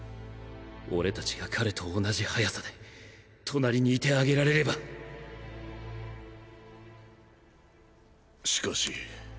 俺達が彼と同じ速さで隣にいてあげられればしかし。